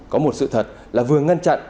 có một sự thật là vừa ngăn chặn